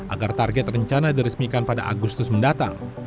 agar target rencana diresmikan pada agustus mendatang